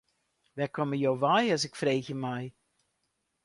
Wêr komme jo wei as ik freegje mei.